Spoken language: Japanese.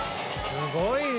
すごいね。